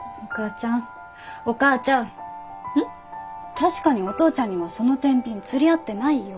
確かにお父ちゃんにはそのてんびん釣り合ってないよ。